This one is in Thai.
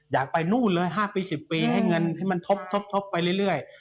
อยากไปนู่นเลย๕ปี๑๐ปีให้เงินให้มันทบไปเรื่อย